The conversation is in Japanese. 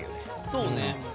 そうね。